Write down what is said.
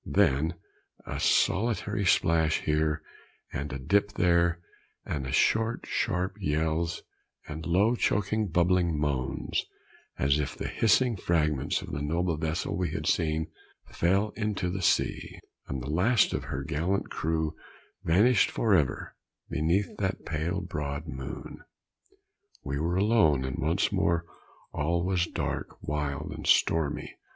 Then a solitary splash here, and a dip there, and short sharp yells, and low choking bubbling moans, as the hissing fragments of the noble vessel we had seen, fell into the sea, and the last of her gallant crew vanished forever beneath that pale broad moon. We were alone; and once more all was dark, wild and stormy.